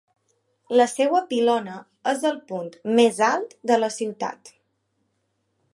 La seua pilona és el punt més alt de la ciutat.